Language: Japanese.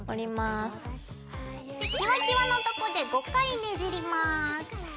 でキワキワのとこで５回ねじります。